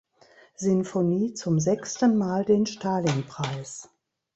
Sinfonie zum sechsten Mal den Stalinpreis.